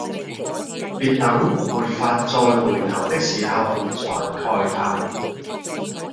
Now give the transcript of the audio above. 別等沒法再回頭的時候才慨嘆